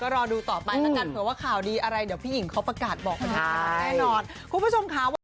ก็รอดูต่อไปนะครับเผื่อว่าข่าวดีอะไรเดี๋ยวพี่อิ่งเขาประกาศบอกมาแน่นอน